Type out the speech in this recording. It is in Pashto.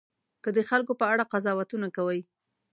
که د خلکو په اړه قضاوتونه کوئ.